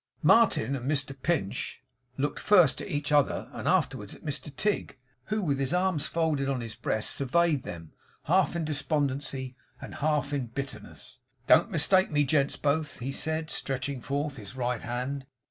Martin and Mr Pinch looked, first at each other, and afterwards at Mr Tigg, who with his arms folded on his breast surveyed them, half in despondency and half in bitterness. 'Don't mistake me, gents both,' he said, stretching forth his right hand.